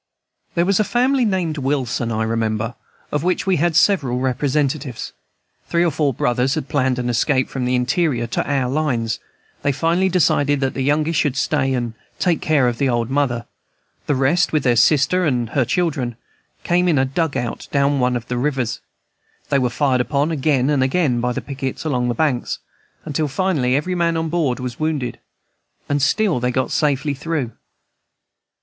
There was a family named Wilson, I remember, of which we had several representatives. Three or four brothers had planned an escape from the interior to our lines; they finally decided that the youngest should stay and take care of the old mother; the rest, with their sister and her children, came in a "dug out" down one of the rivers. They were fired upon, again and again, by the pickets along the banks, until finally every man on board was wounded; and still they got safely through.